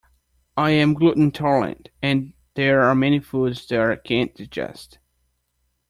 I'm gluten intolerant, and there are many foods that I can't digest.